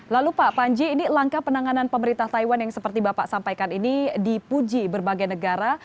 lalu pak panji ini langkah penanganan pemerintah taiwan yang seperti bapak sampaikan ini dipuji berbagai negara